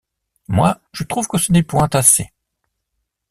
Moi, je trouve que ce n’est point assez.